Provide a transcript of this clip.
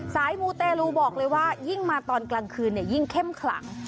มูเตลูบอกเลยว่ายิ่งมาตอนกลางคืนยิ่งเข้มขลัง